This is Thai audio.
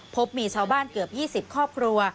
พบมีชาวบ้านเกือบ๒๐ครอบครัว